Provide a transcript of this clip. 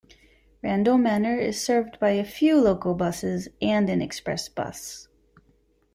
Randall Manor is served by a few local busess and an express bus.